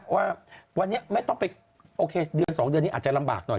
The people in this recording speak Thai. ว่าวันนี้ไม่ต้องไปโอเคเดือน๒เดือนนี้อาจจะลำบากหน่อย